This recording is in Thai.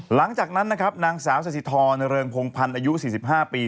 หลังจากนั้นนะครับนางสาวสถิธรเริงพงพันธ์อายุ๔๕ปี